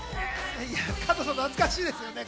加藤さん、懐かしいですよね。